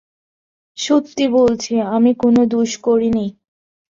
সত্যি বলছি, আমি কোনো দোষ করি নি।